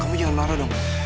kamu jangan marah dong